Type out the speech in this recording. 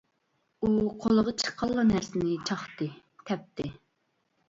ئۇ قولىغا چىققانلا نەرسىنى چاقتى، تەپتى.